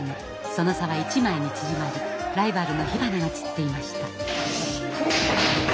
その差は１枚に縮まりライバルの火花が散っていました。